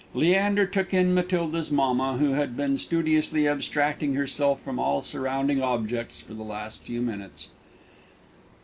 Leander took in Matilda's mamma, who had been studiously abstracting herself from all surrounding objects for the last few minutes.